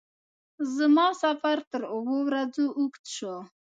زما سفر تر اوو ورځو اوږد شو.